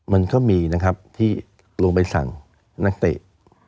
มันก็มีนะครับที่ลงไปสั่งนักเตะ